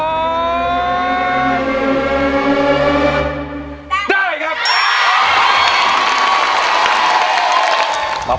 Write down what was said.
ได้ครับ